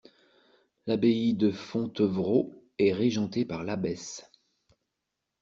L'abbaye de Fontevraud est régentée par l'abbesse.